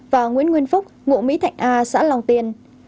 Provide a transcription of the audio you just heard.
và nguyễn nguyên phúc ngụ mỹ thạnh a xã long tiên